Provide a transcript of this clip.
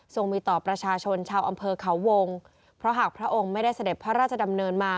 มีต่อประชาชนชาวอำเภอเขาวงเพราะหากพระองค์ไม่ได้เสด็จพระราชดำเนินมา